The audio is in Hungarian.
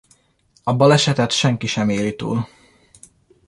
A balesetet senki sem éli túl.